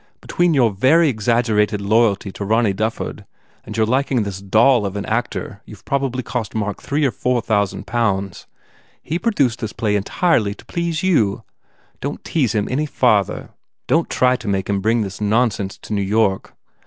Between your very exaggerated loyalty to Ronny Dufford and your liking for this doll of an actor you ve prob ably cost Mark three or four thousand pounds. He produced this play entirely to please you. Don t tease him any farther. Don t try to make him bring this nonsense to New York.